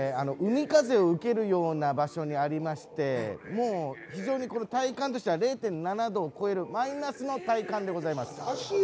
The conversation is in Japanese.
この立地が海風を受けるような場所にありまして体感としては０．７度を超えるマイナスの体感です。